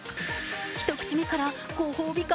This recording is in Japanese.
一口目からご褒美感